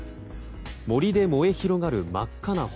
森で燃え広がる真っ赤な炎。